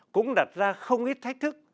cũng đặt ra không ít thách thức